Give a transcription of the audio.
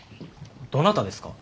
どなたですか？